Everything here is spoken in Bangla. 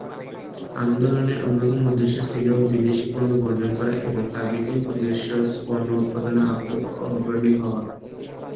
আন্দোলনের অন্যতম উদ্দেশ্য ছিল বিদেশি পণ্য বর্জন করা এবং তার বিকল্প দেশজ পণ্য উৎপাদনে অগ্রণী হওয়া।